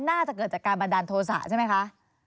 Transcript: น่าจะเกิดจากการบันดาลโทษะใช่ไหมคะ